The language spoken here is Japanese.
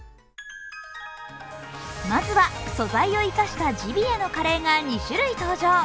まずは、素材を生かしたジビエのカレーが２種類登場。